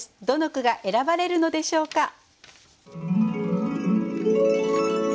どの句が選ばれるのでしょうか。